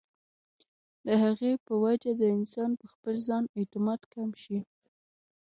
د هغې پۀ وجه د انسان پۀ خپل ځان اعتماد کم شي